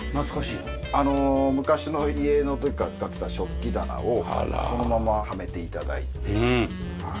あの昔の家の時から使っていた食器棚をそのままはめて頂いて。